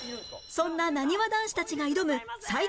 そんななにわ男子たちが挑む最強チームがこちら